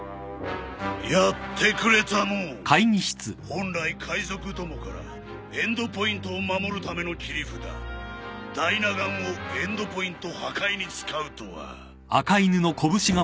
本来海賊どもからエンドポイントを守るための切り札ダイナ岩をエンドポイント破壊に使うとは。